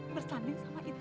bersanding sama itu